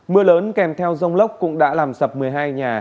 mưa lớn kèm theo rông lốc cũng đã làm sập một mươi hai nhà